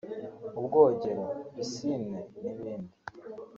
ubwogero (Piscines) n’ibindi